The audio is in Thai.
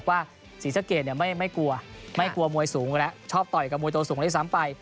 บอกว่าสีสะเกดเนี่ยไม่กลัวไม่กลัวมวยสูงกว่าแล้วชอบต่อยกับมวยโตสูงได้ซ้ำไป